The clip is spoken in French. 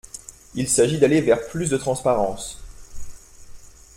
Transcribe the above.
Il s’agit d’aller vers plus de transparence.